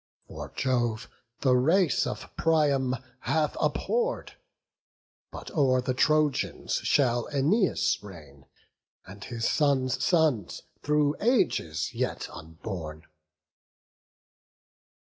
For Jove the race of Priam hath abhorr'd; But o'er the Trojans shall Æneas reign, And his sons' sons, through ages yet unborn."